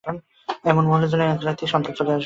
এমন মহলের জন্য, এক রাতেই আপনার, সন্তান চলে আসবে।